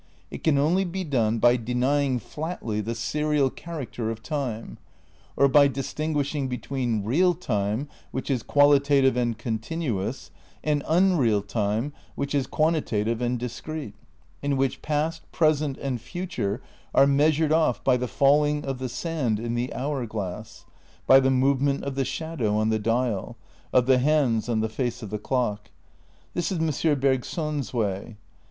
It can only be done by denying flatly the serial character of time, or by distinguishing between real time which is qualitative and continuous, and unreal time which is quantitative and discrete, in which past, present and future are measured off by the falling of the sand in the hour glass, by the movement of the shadow on the dial, of the hands on the face of the clock. This is M. Bergson's way.